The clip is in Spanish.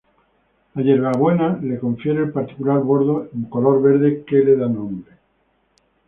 La yerbabuena le confiere el particular color verde que le da nombre.